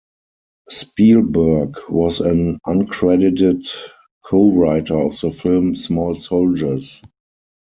Spielberg was an uncredited cowriter of the film "Small Soldiers".